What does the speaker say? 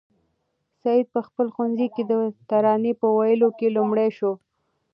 سعید په خپل ښوونځي کې د ترانې په ویلو کې لومړی شو.